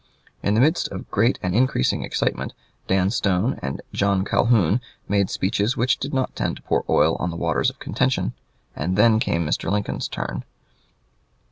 In the midst of great and increasing excitement Dan Stone and John Calhoun made speeches which did not tend to pour oil on the waters of contention, and then came Mr. Lincoln's turn.